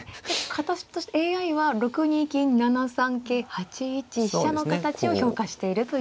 形としてＡＩは６二金７三桂８一飛車の形を評価しているということ。